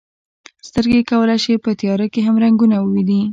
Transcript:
سترګې کولی شي په تیاره کې هم رنګونه وویني.